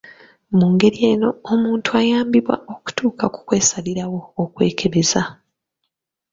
Mu ngeri eno omuntu ayambibwa okutuuka ku kwesalirawo okwekebeza.